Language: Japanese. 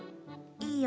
いいよ。